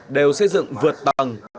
đều xây dựng vượt tầng